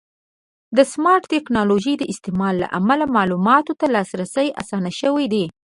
د سمارټ ټکنالوژۍ د استعمال له امله د معلوماتو ته لاسرسی اسانه شوی دی.